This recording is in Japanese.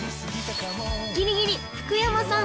ギリギリ福山さん